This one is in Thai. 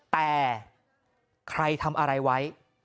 แต่ใครทำอะไรไว้